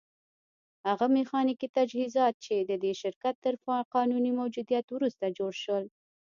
هغه ميخانيکي تجهيزات چې د دې شرکت تر قانوني موجوديت وروسته جوړ شول.